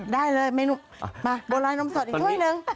อ๋อได้เลยแมนวมาบวรอยนมสดอีกด้วยนึง